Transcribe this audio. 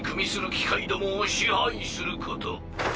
機械どもを支配すること。